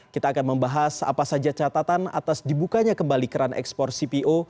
kita akan membahas apa saja catatan atas dibukanya kembali keran ekspor cpo